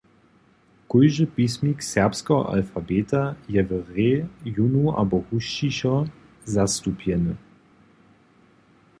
Kóždy pismik serbskeho alfabeta je w hrě jónu abo husćišo zastupjeny.